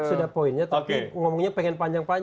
sudah poinnya tapi ngomongnya pengen panjang panjang